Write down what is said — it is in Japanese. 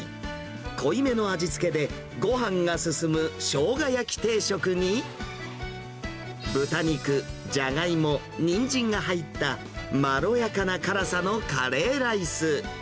濃い目の味付けでごはんが進むしょうが焼き定食に、豚肉、じゃがいも、にんじんが入った、まろやかな辛さのカレーライス。